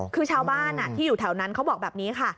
คือชาวบ้านที่อยู่แถวนั้นเขาบอกแบบนี้ค่ะ